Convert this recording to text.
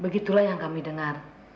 begitulah yang kami dengar